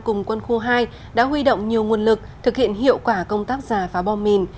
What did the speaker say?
cùng quân khu hai đã huy động nhiều nguồn lực thực hiện hiệu quả công tác giả phá bom mìn